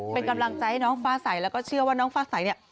เป็นกำลังใจให้น้องฟ้าใสแล้วก็เชื่อว่าน้องฟ้าใสเนี่ย